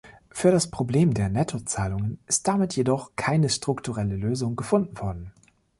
Für das Problem der Nettozahlungen ist damit jedoch keine strukturelle Lösung gefunden worden.